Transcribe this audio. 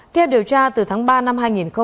theo điều tra từ tháng ba năm hai nghìn hai mươi